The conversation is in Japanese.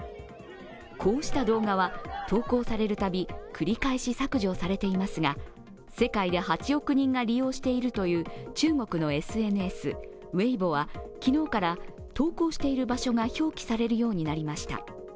こうした動画は投稿されるたび繰り返し削除されていますが、世界で８億人が利用しているという中国のＳＮＳＷｅｉｂｏは昨日から投稿している場所が表記されるようになりました。